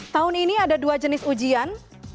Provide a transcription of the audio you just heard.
tahun ini ada dua jenis ujian